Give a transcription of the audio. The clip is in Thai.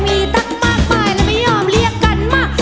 มีตั้งมากมายแล้วไม่ยอมเรียกกันมาก